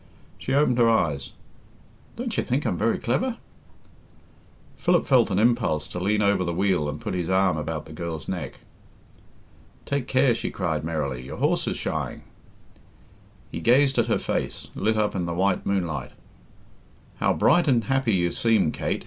She opened her eyes: "Don't you think I'm very clever?" Philip felt an impulse to lean over the wheel and put his arms about the girl's neck. "Take care," she cried merrily; "your horse is shying." He gazed at her face, lit up in the white moonlight. "How bright and happy you seem, Kate!"